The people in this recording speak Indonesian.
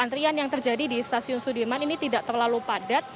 antrian yang terjadi di stasiun sudirman ini tidak terlalu padat